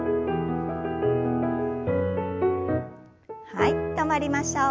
はい止まりましょう。